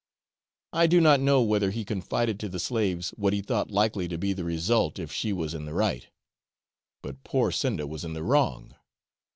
I do not know whether he confided to the slaves what he thought likely to be the result if she was in the right; but poor Sinda was in the wrong.